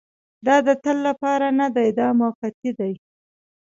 دا د تل لپاره نه دی دا موقتي دی.